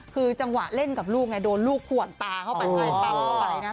คือจังหวะเล่นกับลูกไงโดนลูกขวนตาเข้าไป